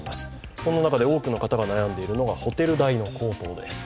その中で多くの方が悩んでいるのがホテル代の高騰です。